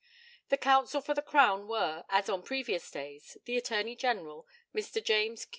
The counsel for the Crown were, as on previous days, the Attorney General, Mr. James, Q.C.